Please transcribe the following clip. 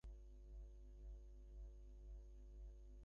সুতরাং এখন তুমি কাগজের জন্য যথেষ্ট মাল পাবে।